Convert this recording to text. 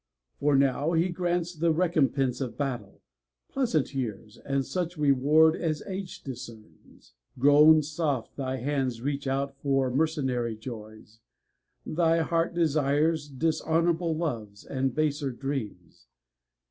For now He grants The recompense of battle — pleasant years, And such reward as age discerns. Grown soft, Thy hands reach out for mercenary joys; Thy heart desires dishonorable loves And baser dreams.